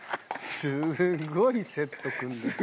すごいセット組んでる。